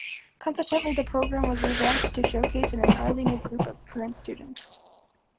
Consequentially, the program was revamped to showcase an entirely new group of current students.